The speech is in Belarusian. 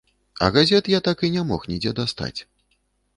А газет я так і не мог нідзе дастаць.